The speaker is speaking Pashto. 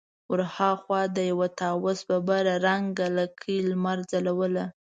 ور هاخوا د يوه طاوس ببره رنګه لکۍ لمر ځلوله.